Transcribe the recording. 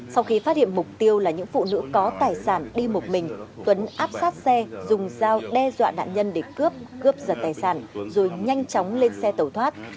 sau khi phát hiện mục tiêu là những phụ nữ có tài sản đi một mình tuấn áp sát xe dùng dao đe dọa nạn nhân để cướp cướp giật tài sản rồi nhanh chóng lên xe tẩu thoát